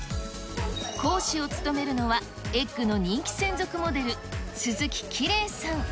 講師を務めるのは、エッグの人気専属モデル、鈴木綺麗さん。